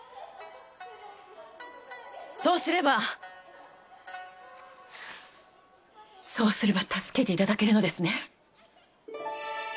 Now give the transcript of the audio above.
そうすればそうすれば助けて頂けるのですね？